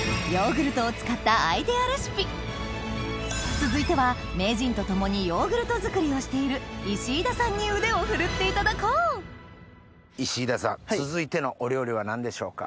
続いては名人と共にヨーグルト作りをしている石井田さんに腕を振るっていただこう石井田さん続いてのお料理は何でしょうか？